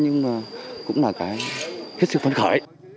nhưng mà cũng là cái hết sự phấn khởi